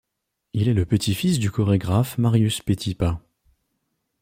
Il est le petit-fils du chorégraphe Marius Petipa.